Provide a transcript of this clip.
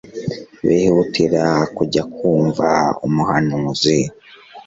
bihutira kujya kumva umuhanuzi.